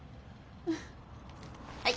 はい。